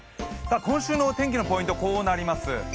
今週のお天気のポイント、こうなります。